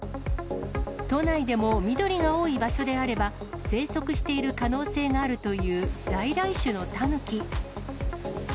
都内でも緑が多い場所であれば、生息している可能性があるという在来種のタヌキ。